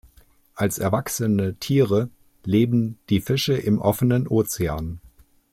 Als erwachsene Tiere leben die Fische im offenen Ozean.